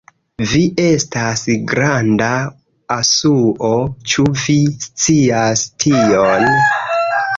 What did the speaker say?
Vi estas granda asuo, ĉu vi scias tion?